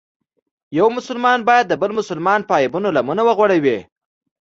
یو مسلمان باید د بل مسلمان په عیبونو لمنه وغوړوي.